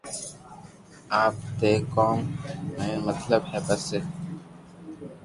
آپ ني ڪوم ميون مطلب ھي بس